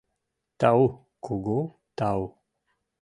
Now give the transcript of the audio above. — Тау, кугу тау!